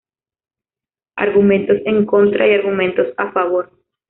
Argumentos en contra y argumentos a favor.